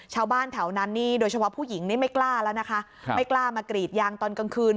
ชาวบ้านแถวนั้นนี่โดยเฉพาะผู้หญิงนี่ไม่กล้าแล้วนะคะไม่กล้ามากรีดยางตอนกลางคืน